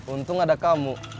untung ada kamu